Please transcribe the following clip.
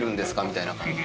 みたいな感じ。